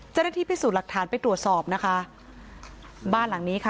เจ้าหน้าที่พิสูจน์หลักฐานไปตรวจสอบนะคะบ้านหลังนี้ค่ะ